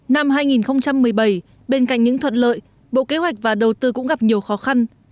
năm hai nghìn một mươi bảy bên cạnh những thuận lợi bộ kế hoạch và đầu tư cũng gặp nhiều khó khăn